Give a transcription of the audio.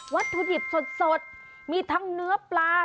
วัตถุดิบสดมีทั้งเนื้อปลา